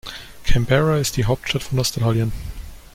Canberra ist die Hauptstadt von Australien.